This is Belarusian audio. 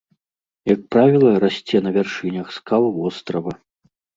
Як правіла, расце на вяршынях скал вострава.